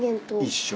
一緒。